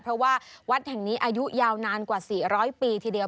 เพราะว่าวัดแห่งนี้อายุยาวนานกว่า๔๐๐ปีทีเดียว